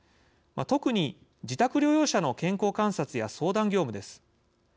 特に自宅療養者の健康観察や相談業務です。